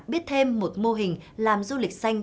biết thêm một mô hình làm du lịch xanh